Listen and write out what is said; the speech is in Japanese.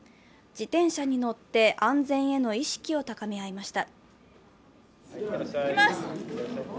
自転車に乗って安全への意識を高め合いました。